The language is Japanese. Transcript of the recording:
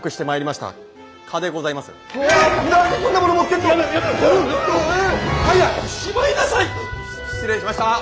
し失礼しました。